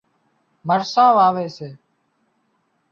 مرسان واوي سي